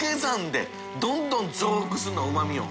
瓜擦どんどん増幅するのうま味を。